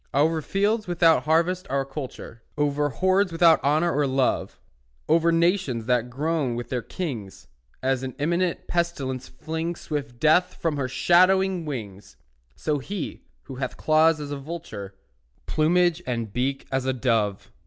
Over fields without harvest or culture, Over hordes without honour or love, Over nations that groan with their kings, As an imminent pestilence flings Swift death from her shadowing wings, So he, who hath claws as a vulture, Plumage and beak as a dove.